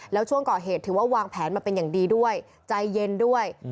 แล้วช่วงก่อเหตุถือว่าวางแผนมาเป็นอย่างดีด้วยใจเย็นด้วย